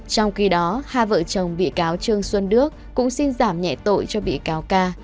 trong khi đó hai vợ chồng bị cáo trương xuân đức cũng xin giảm nhẹ tội cho bị cáo ca